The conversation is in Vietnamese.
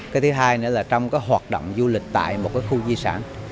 cái thứ hai nữa là trong cái hoạt động du lịch tại một cái khu di sản